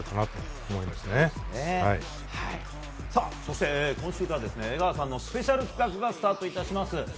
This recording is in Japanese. そして江川さんのスペシャル企画がスタート致します。